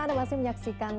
anda masih menyaksikan